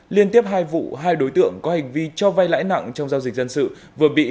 liên tiếp hai vụ hai đối tượng có hành vi cho vay lãi nặng trong giao dịch dân sự vừa bị